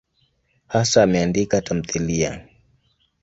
Hasa ameandika tamthiliya.